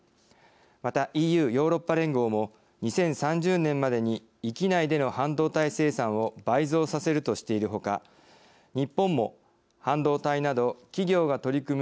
またＥＵ＝ヨーロッパ連合も２０３０年までに域内での半導体生産を倍増させるとしているほか日本も、半導体など企業が取り組む